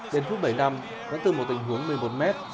đến phút bảy năm đến từ một tình huống một mươi một m